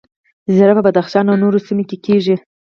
زیره په بدخشان او نورو سیمو کې کیږي